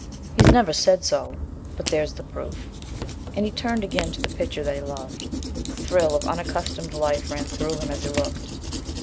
He's never said so, but there's the proof," and he turned again to the picture that he loved. A thrill of unaccustomed life ran through him as he looked.